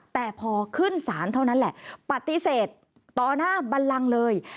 แต่พอขึ้นศาลเท่านั้นแหละปฏิเสธต่อหน้าบันลังเลย